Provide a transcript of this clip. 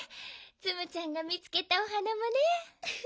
ツムちゃんがみつけたお花もね。